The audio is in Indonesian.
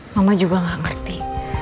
mama juga nggak ngerti